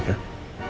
yaudah kalau gitu